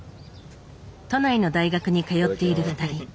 都内の大学に通っている２人。